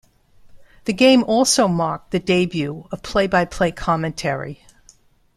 The game also marked the debut of play-by-play commentary.